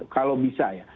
kalau bisa ya